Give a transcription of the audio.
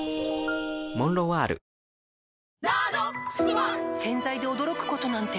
わかるぞ洗剤で驚くことなんて